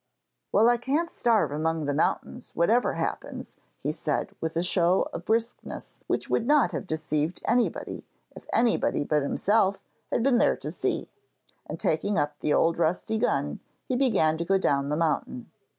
'Well, I can't starve among the mountains, whatever happens,' he said, with a show of briskness which would not have deceived anybody, if anybody but himself had been there to see; and taking up the old rusty gun, he began to go down the mountain.